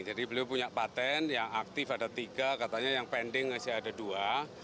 jadi beliau punya patent yang aktif ada tiga katanya yang pending masih ada dua